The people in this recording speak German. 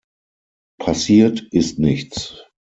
Passiert ist nichts!